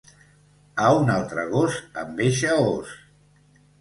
A un altre gos amb eixe os.